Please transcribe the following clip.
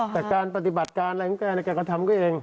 แต่ปฏิบัติการอะไรกันน่าใครก็ทำตัวเอง